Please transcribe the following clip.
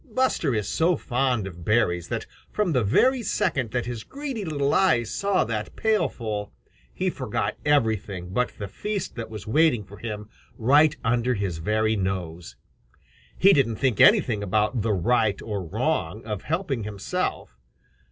Buster is so fond of berries that from the very second that his greedy little eyes saw that pailful, he forgot everything but the feast that was waiting for him right under his very nose. He didn't think anything about the right or wrong of helping himself.